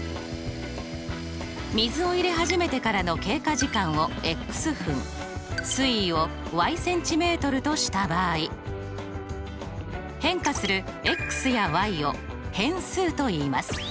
水を入れ始めてからの経過時間を分水位をｃｍとした場合変化するやを変数といいます。